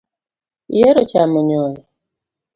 Ihero chamo nyoyo .